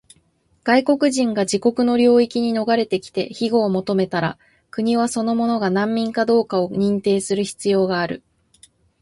外国人が自国の領域に逃れてきて庇護を求めたら、国はその者が難民かどうかを認定する必要がある。